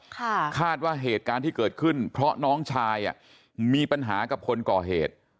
คาดว่าเหตุการณ์ที่เกิดขึ้นเพราะน้องชายอ่ะมีปัญหากับคนก่อเหตุ